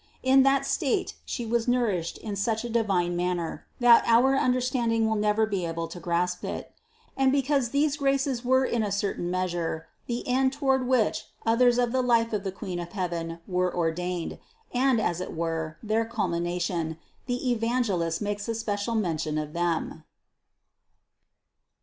In that state She was nourished in such a divine manner, that our understand ing will never be able to grasp it. And because these graces were in a certain measure the end toward which others of the life of the Queen of heaven were ordained, and, as it were, their culmination, the Evangelist makes a special mention of them.